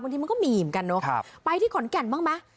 บางทีมันก็มีเหมือนกันเนอะไปที่ขอนแก่นบ้างไหม